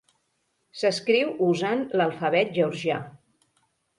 S'escriu usant l'alfabet georgià.